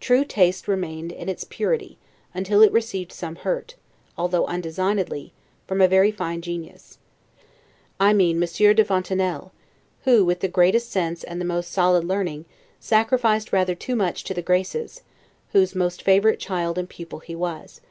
true taste remained in its purity, until it received some hurt, although undesignedly, from a very fine genius, I mean Monsieur de Fontenelle; who, with the greatest sense and the most solid learning, sacrificed rather too much to the Graces, whose most favorite child and pupil he was.